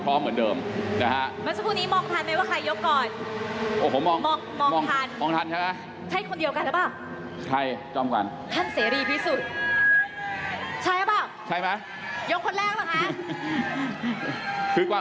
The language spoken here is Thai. ใครยกก่อนมองทันใช่คนเดียวกันหรือเปล่าท่านเสรีพิสูจน์ใช่หรือเปล่ายกคนแรกหรือเปล่า